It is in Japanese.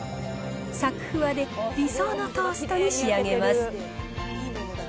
さくふわで理想のトーストに仕上げます。